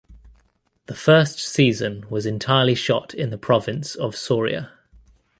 The first season was entirely shot in the province of Soria.